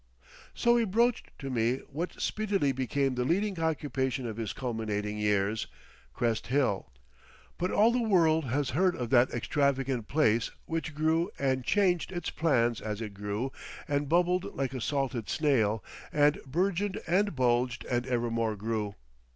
So he broached to me what speedily became the leading occupation of his culminating years, Crest Hill. But all the world has heard of that extravagant place which grew and changed its plans as it grew, and bubbled like a salted snail, and burgeoned and bulged and evermore grew.